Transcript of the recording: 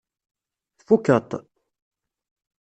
Tfukkeḍ-t?